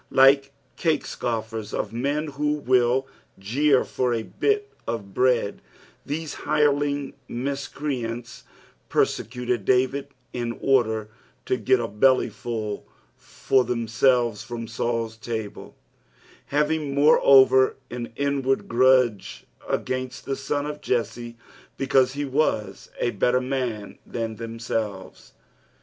Like cake scoffers, or men who will jeer for a bit of bread, these hireling miscreants persecuted David in order to get a bellyfull for themselves from Saul's table ; having moreover an inward grudge against the son of Jesse because he was a better man than themselves.